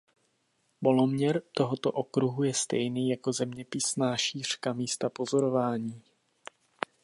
Poloměr tohoto okruhu je stejný jako zeměpisná šířka místa pozorování.